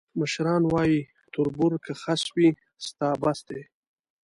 مشران وایي: تربور که خس وي، ستا بس دی.